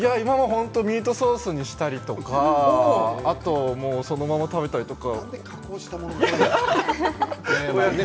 ミートソースにしたりとかそのまま食べたりとか。